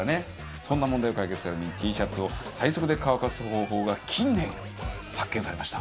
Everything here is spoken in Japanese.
そんな問題を解決するのにＴシャツを最速で乾かす方法が近年発見されました。